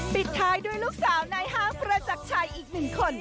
ปิดท้ายด้วยลูกสาวนายห้างประจักรชัยอีกหนึ่งคน